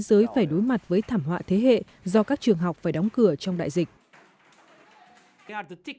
giới phải đối mặt với thảm họa thế hệ do các trường học phải đóng cửa trong đại dịch